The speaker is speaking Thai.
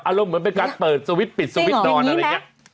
เหมือนเป็นการเปิดสวิตชปิดสวิตช์นอนอะไรอย่างนี้